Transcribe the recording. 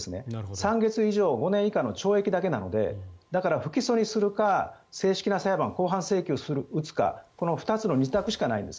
３か月以上５年以下の懲役だけなのでだから不起訴にするか正式な裁判、公判請求を打つかこの２つの２択しかないんです。